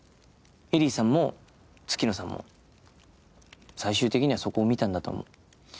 エリーさんも月野さんも最終的にはそこを見たんだと思う。